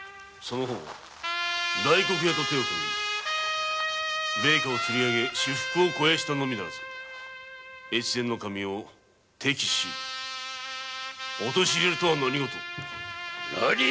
大黒屋と手を組み米価をつり上げ私腹を肥やしたのみならず越前守を敵視し陥れるとは何事何？